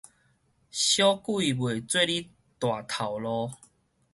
小鬼袂做得大頭路